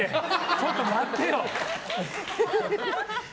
ちょっと待ってよ。